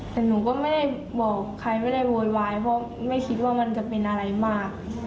แต่หนูก็ไม่ได้บอกใครไม่ได้โวยวายเพราะไม่คิดว่ามันจะเป็นอะไรมาก